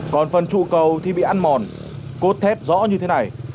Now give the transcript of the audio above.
còn phần trụ cầu thì bị ăn mòn cốt thép rõ như thế này